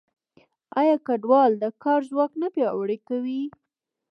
آیا کډوال د کار ځواک نه پیاوړی کوي؟